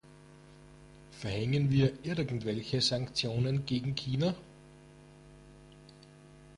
Verhängen wir irgendwelche Sanktionen gegen China?